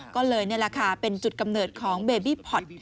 ก็เลยนี่แหละค่ะเป็นจุดกำเนิดของเบบี้พอร์ต